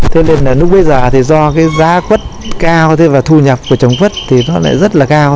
thế nên là lúc bây giờ thì do cái giá quất cao thế và thu nhập của trồng quất thì nó lại rất là cao